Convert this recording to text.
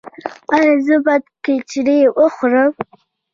ایا زه باید کیچړي وخورم؟